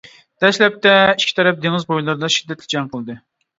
دەسلەپتە ئىككى تەرەپ دېڭىز بويلىرىدا شىددەتلىك جەڭ قىلدى.